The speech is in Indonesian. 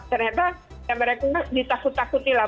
ternyata ya mereka ditakut takuti lah